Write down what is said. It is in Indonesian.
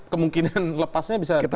kemungkinan lepasnya bisa dipercaya